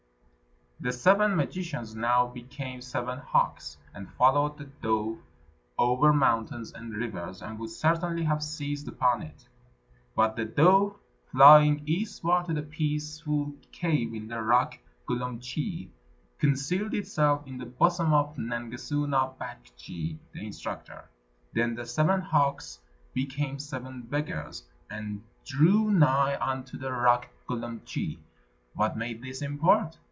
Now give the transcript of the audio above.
The seven magicians now became seven hawks, and followed the dove over mountains and rivers, and would certainly have seized upon it, but the dove, flying eastwards to the peaceful cave in the rock Gulumtschi, concealed itself in the bosom of Nangasuna Baktschi (the Instructor). Then the seven hawks became seven beggars, and drew nigh unto the rock Gulumtschi. "What may this import?"